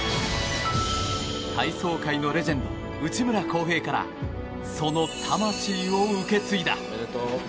体操界のレジェンド内村航平からその魂を受け継いだ。